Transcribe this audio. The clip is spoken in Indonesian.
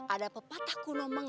ada pepatah kuno mangsa